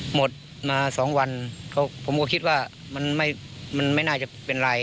หมดมาสองวันเขาผมก็คิดว่ามันไม่มันไม่น่าจะเป็นไร